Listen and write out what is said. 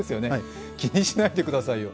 気にしないでくださいよ。